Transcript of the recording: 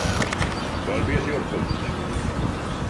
Wel, beth yw'r pwynt?